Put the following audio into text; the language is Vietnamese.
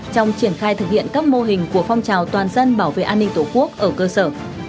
trong triển khai thực hiện các mô hình của phong trào toàn dân bảo vệ an ninh tổ quốc ở cơ sở